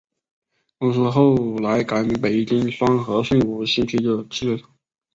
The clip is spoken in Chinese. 公司后来改名北京双合盛五星啤酒汽水厂。